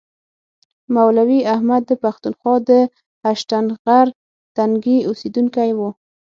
مولوي احمد د پښتونخوا د هشتنغر تنګي اوسیدونکی و.